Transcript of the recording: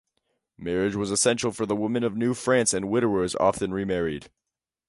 Marriage was essential for the women of New France and widowers often remarried.